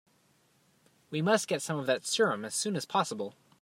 We must get some of that serum as soon as possible.